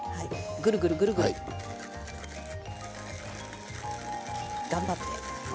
ぐるぐるぐるぐる頑張って。